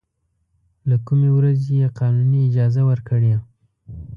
له کومې ورځې یې قانوني اجازه ورکړې.